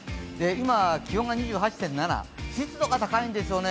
今、気温が２８．７湿度が高いんでしょうね。